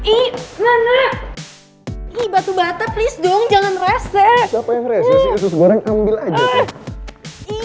ii batu bata please dong jangan rese siapa yang rese sih usus goreng ambil aja sih